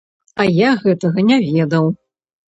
А я гэтага не ведаў!